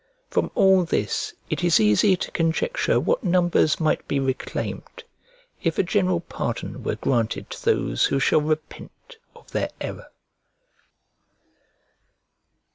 From all this it is easy to conjecture what numbers might be reclaimed if a general pardon were granted to those who shall repent of their error.